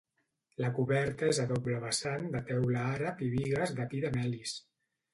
La coberta és a doble vessant de teula àrab i bigues de pi de melis.